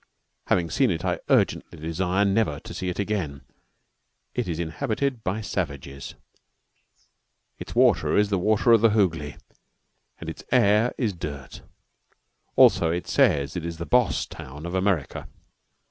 Having seen it, I urgently desire never to see it again. It is inhabited by savages. Its water is the water of the Hooghly, and its air is dirt. Also it says that it is the "boss" town of America.